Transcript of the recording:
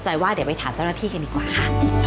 ว่าเดี๋ยวไปถามเจ้าหน้าที่กันดีกว่าค่ะ